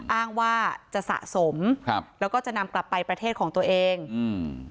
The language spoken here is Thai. อ้างว่าจะสะสมครับแล้วก็จะนำกลับไปประเทศของตัวเองอืม